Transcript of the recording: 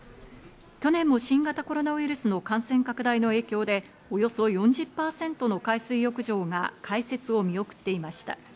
去年も新型コロナウイルスの感染拡大の影響でおよそ４０％の海水浴場が開設を見送っていました。